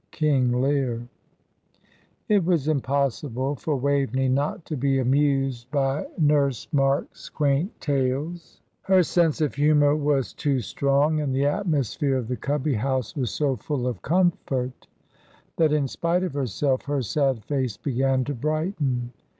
King Lear. It was impossible for Waveney not to be amused by Nurse Marks' quaint tales; her sense of humour was too strong, and the atmosphere of the Cubby house was so full of comfort that, in spite of herself, her sad face began to brighten.